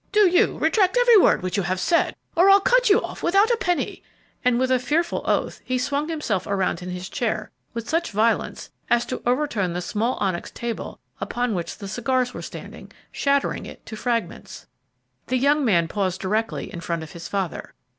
Do you retract every word which you have said, or I'll cut you off without a penny," and with a fearful oath he swung himself around in his chair with such violence as to overturn the small onyx table upon which the cigars were standing, shattering it to fragments. The young man paused directly in front of his father.